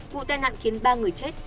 vụ tai nạn khiến ba người chết